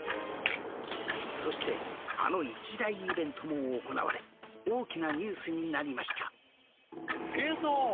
そしてあの一大イベントも行われ大きなニュースになりました